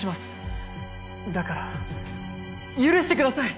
だから許してください！